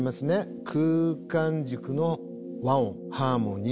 空間軸の和音ハーモニー。